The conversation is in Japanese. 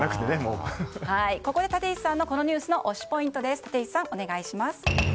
ここで立石さんのこのニュースの推しポイントです。